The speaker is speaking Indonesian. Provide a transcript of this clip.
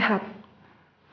dan tetap sehat